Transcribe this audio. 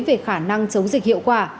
về khả năng chống dịch hiệu quả